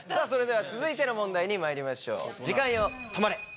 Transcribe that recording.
それでは続いての問題にまいりましょう。